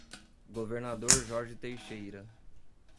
Governador Jorge Teixeira